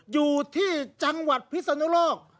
อยู่ที่จังหวัดพิศนุโลก